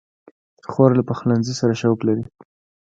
خور له پخلنځي سره شوق لري.